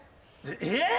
えっ！？